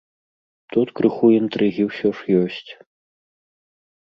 Тут крыху інтрыгі ўсё ж ёсць.